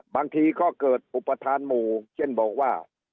บางทีก็เกิดอุปทานหมู่เช่นบอกว่า